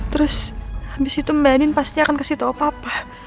terus habis itu mbak andin pasti akan kasih tau papa